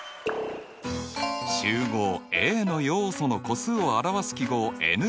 集合Ａの要素の個数を表す記号